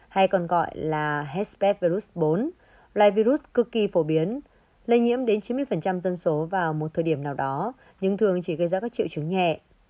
hay còn gọi là hes virus bốn loài virus cực kỳ phổ biến lây nhiễm đến chín mươi dân số vào một thời điểm nào đó nhưng thường chỉ gây ra các triệu chứng nhẹ